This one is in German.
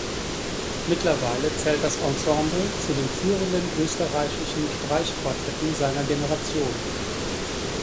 Mittlerweile zählt das Ensemble zu den führenden österreichischen Streichquartetten seiner Generation.